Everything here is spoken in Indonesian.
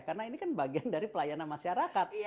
karena ini kan bagian dari pelayanan masyarakat